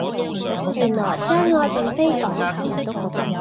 原來相愛並非講求